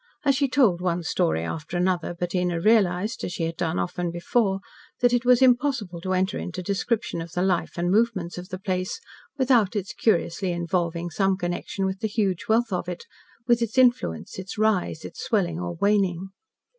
As she told one story after another, Bettina realised, as she had done often before, that it was impossible to enter into description of the life and movements of the place, without its curiously involving some connection with the huge wealth of it with its influence, its rise, its swelling, or waning.